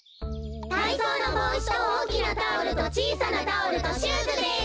たいそうのぼうしとおおきなタオルとちいさなタオルとシューズです。